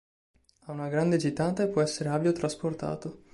Ha una grande gittata e può essere aviotrasportato.